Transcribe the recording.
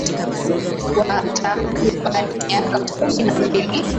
kwa takribani miaka kumi na mbili